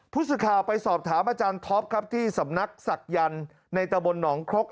ผู้สื่อข่าวไปสอบถามอาจารย์ท็อปครับที่สำนักศักยันต์ในตะบนหนองครก